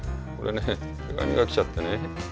これね手紙が来ちゃってね。